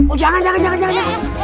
oh jangan jangan jangan